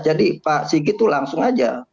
jadi pak siki itu langsung saja